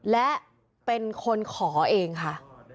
และเป็นคนขอเองค่ะ